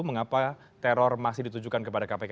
mengapa teror masih ditujukan kepada kpk